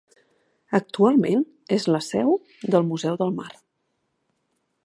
Actualment és la seu del Museu del Mar.